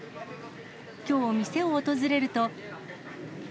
きょう、店を訪れると。